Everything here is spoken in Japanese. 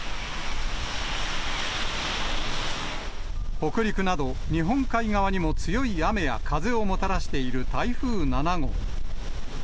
北陸など日本海側にも、強い雨や風をもたらしている台風７号。